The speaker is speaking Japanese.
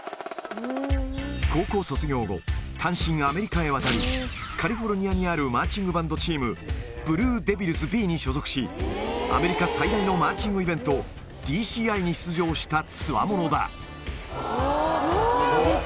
高校卒業後、単身アメリカへ渡り、カリフォルニアにあるマーチングバンドチーム、ブルーデビルズＢに所属し、アメリカ最大のマーチングイベント、ＤＣＩに出場したつわものだ。